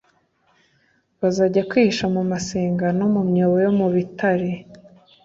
Bazajya kwihisha mu masenga no mu myobo yo mu bitare,